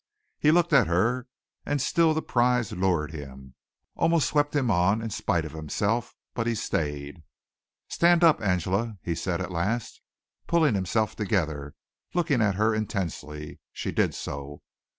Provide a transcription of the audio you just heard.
He looked at her and still the prize lured him almost swept him on in spite of himself, but he stayed. "Stand up, Angela," he said at last, pulling himself together, looking at her intensely. She did so.